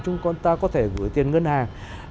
chúng ta có thể gửi tiền ngân hàng